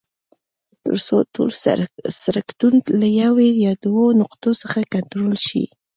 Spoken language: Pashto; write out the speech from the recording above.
تر څو ټول سرکټونه له یوې یا دوو نقطو څخه کنټرول شي.